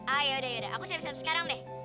ah yaudah aku siap siap sekarang deh